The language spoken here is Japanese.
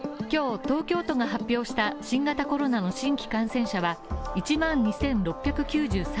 今日、東京都が発表した新型コロナの新規感染者は１万２６９３人。